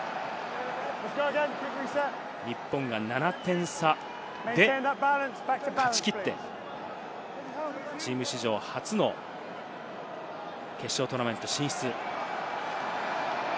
日本が７点差で勝ち切って、チーム史上初の決勝トーナメント進出。